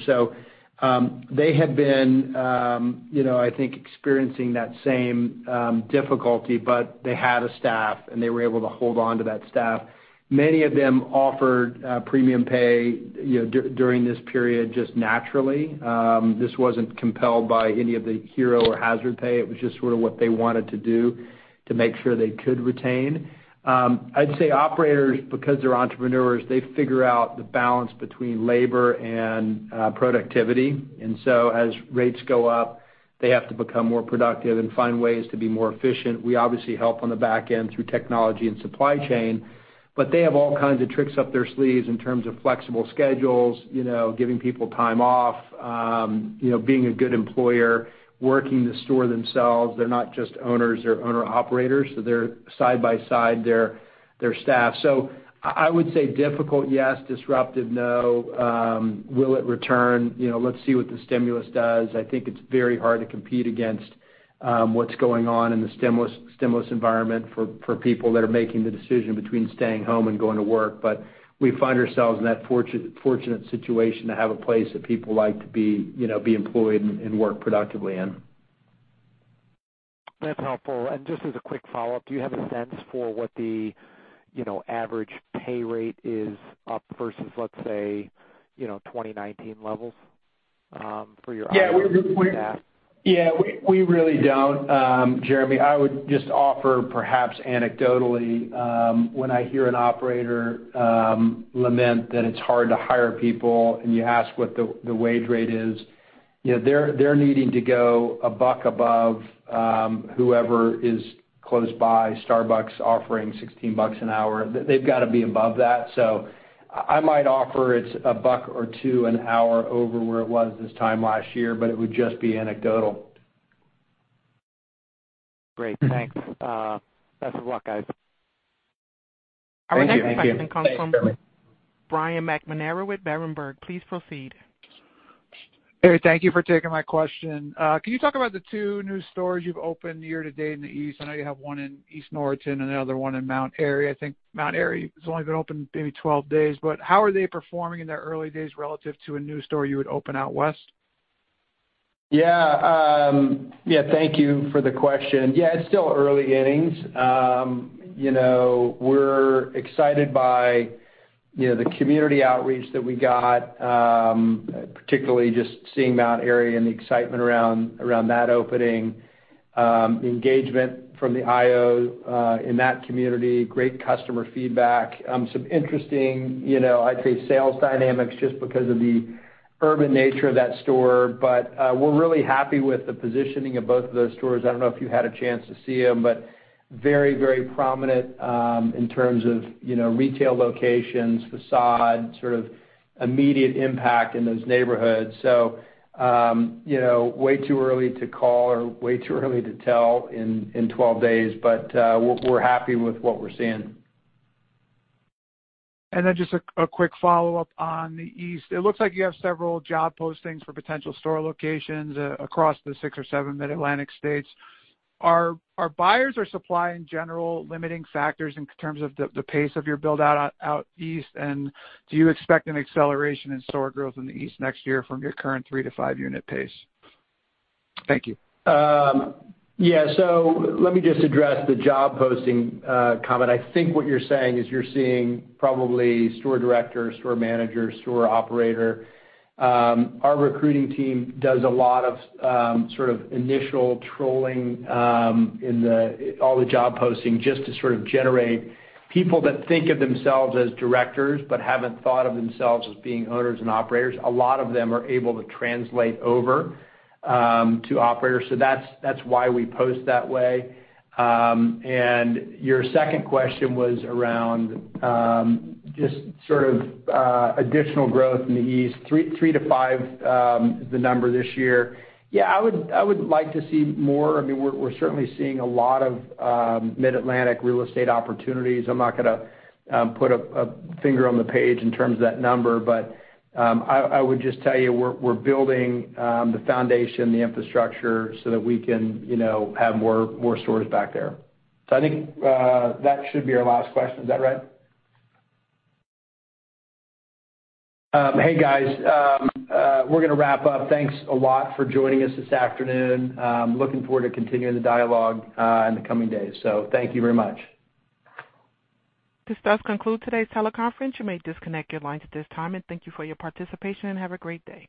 C: They had been, I think experiencing that same difficulty. They had a staff and they were able to hold on to that staff. Many of them offered premium pay during this period just naturally. This wasn't compelled by any of the hero or hazard pay. It was just sort of what they wanted to do to make sure they could retain. I'd say operators, because they're entrepreneurs, they figure out the balance between labor and productivity. As rates go up, they have to become more productive and find ways to be more efficient. We obviously help on the back end through technology and supply chain, but they have all kinds of tricks up their sleeves in terms of flexible schedules, giving people time off, being a good employer, working the store themselves. They're not just owners, they're owner-operators, so they're side by side their staff. I would say difficult, yes. Disruptive, no. Will it return? Let's see what the stimulus does. I think it's very hard to compete against what's going on in the stimulus environment for people that are making the decision between staying home and going to work. We find ourselves in that fortunate situation to have a place that people like to be employed and work productively in.
O: That's helpful. Just as a quick follow-up, do you have a sense for what the average pay rate is up versus, let's say, 2019 levels, for your operator staff?
C: Yeah, we really don't. Jeremy, I would just offer perhaps anecdotally, when I hear an operator lament that it's hard to hire people and you ask what the wage rate is, they're needing to go a buck above, whoever is close by, Starbucks offering $16 an hour. They've got to be above that. I might offer it's a buck or two an hour over where it was this time last year, but it would just be anecdotal.
O: Great. Thanks. Best of luck, guys.
C: Thank you.
A: Our next question comes from Brian McNamara with Berenberg. Please proceed.
P: Hey, thank you for taking my question. Can you talk about the two new stores you've opened year to date in the East? I know you have one in East Norriton and another one in Mount Airy. I think Mount Airy has only been open maybe 12 days, but how are they performing in their early days relative to a new store you would open out West?
C: Thank you for the question. It's still early innings. We're excited by the community outreach that we got, particularly just seeing Mount Airy and the excitement around that opening, engagement from the IO in that community, great customer feedback. Some interesting, I'd say, sales dynamics just because of the urban nature of that store. We're really happy with the positioning of both of those stores. I don't know if you had a chance to see them, but very prominent in terms of retail locations, facade, sort of immediate impact in those neighborhoods. Way too early to call or way too early to tell in 12 days, but we're happy with what we're seeing.
P: Then just a quick follow-up on the East. It looks like you have several job postings for potential store locations across the six or seven Mid-Atlantic states. Are buyers or supply in general limiting factors in terms of the pace of your build-out out East, and do you expect an acceleration in store growth in the East next year from your current three to five unit pace? Thank you.
C: Yeah. Let me just address the job posting comment. I think what you're saying is you're seeing probably store director, store manager, store operator. Our recruiting team does a lot of initial trolling in all the job posting just to sort of generate people that think of themselves as directors but haven't thought of themselves as being owners and operators. A lot of them are able to translate over to operators, so that's why we post that way. Your second question was around just sort of additional growth in the East, three to five, the number this year. Yeah, I would like to see more. I mean, we're certainly seeing a lot of Mid-Atlantic real estate opportunities. I'm not going to put a finger on the page in terms of that number, but I would just tell you we're building the foundation, the infrastructure, so that we can have more stores back there. I think that should be our last question. Is that right? Hey, guys, we're going to wrap up. Thanks a lot for joining us this afternoon. Looking forward to continuing the dialogue in the coming days. Thank you very much.
A: This does conclude today's teleconference. You may disconnect your lines at this time, and thank you for your participation, and have a great day.